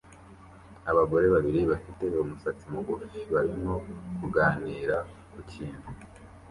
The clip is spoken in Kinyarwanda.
Abagore babiri bafite umusatsi mugufi barimo kuganira ku kintu